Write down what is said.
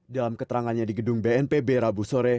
dalam keterangannya di gedung bnpb rabu sore